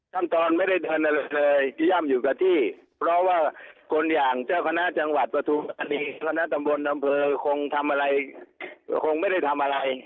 ขั้นตอนไม่ได้เดินอะไรเลยย่ำอยู่กับที่เพราะว่าคนอย่างเจ้าคณะจังหวัดประธุบรรณีคณะตำบลดำเภอคงทำอะไร